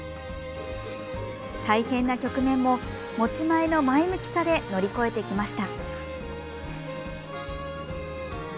大変な局面も持ち前の前向きさで乗り越えてきました。